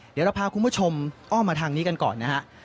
เดี๋ยวเราพาคุณผู้ชมอ้อมมาทางนี้กันก่อนนะฮะ